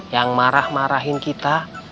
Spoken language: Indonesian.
yang marah marahin kita